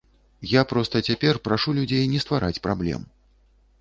Я проста цяпер прашу людзей не ствараць праблем.